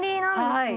はい。